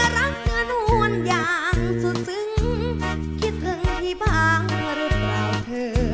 ร้องได้ให้ร้อง